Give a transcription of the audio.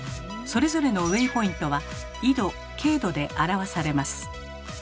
それぞれのウェイポイントは「緯度・経度」で表されます。